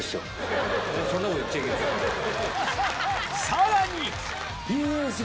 さらに！